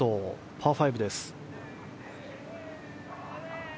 パー５です。